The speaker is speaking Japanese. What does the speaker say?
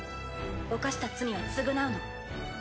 犯した罪は償うの。